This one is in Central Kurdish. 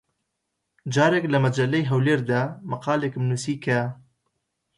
جارێک لە مەجەللەی هەولێر دا مەقالێکم نووسی کە: